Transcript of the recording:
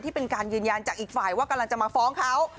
เป็นการยืนยันจากอีกฝ่ายว่ากำลังจะมาฟ้องเขา